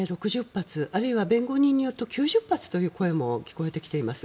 ６０発、あるいは弁護人によると９０発という声も聞こえてきています。